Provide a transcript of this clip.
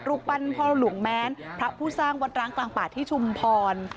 ปั้นพ่อหลวงแม้นพระผู้สร้างวัดร้างกลางป่าที่ชุมพร